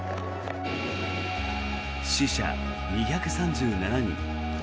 死者２３７人。